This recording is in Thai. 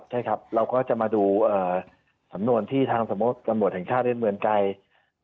ใช่ครับเราก็จะมาดูสำนวนที่ทางสมมติตำรวจแห่งชาติในเมืองไกร